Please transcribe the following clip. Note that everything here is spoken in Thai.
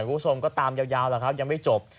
คุณผู้ชมก็ตามยาวแหละครับยังไม่จบ